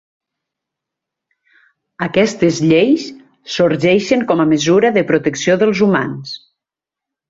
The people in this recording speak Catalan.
Aquestes lleis sorgeixen com a mesura de protecció dels humans.